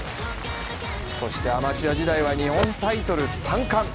そしてアマチュア時代は日本タイトル３冠。